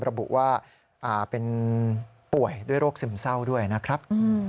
ระบุว่าเป็นป่วยด้วยโรคซึมเศร้าด้วยนะครับ